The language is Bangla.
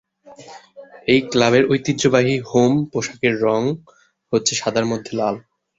এই ক্লাবের ঐতিহ্যবাহী হোম পোশাকের রঙ হচ্ছে সাদার মধ্যে লাল।